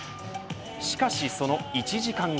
しかし、その１時間後。